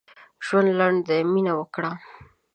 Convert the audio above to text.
ژوند لنډ دی؛ مينه وکړه.